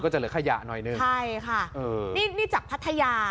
ก็จะเหลือขยะหน่อยนึงใช่ค่ะนี่จากพัทยา